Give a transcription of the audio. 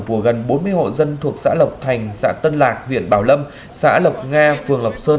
của gần bốn mươi hộ dân thuộc xã lộc thành xã tân lạc huyện bảo lâm xã lộc nga phường lộc sơn